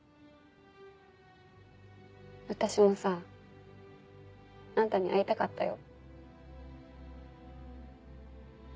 私もさあんたに会いたかったよ。